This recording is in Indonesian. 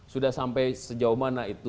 sudah sampai sejauh mana itu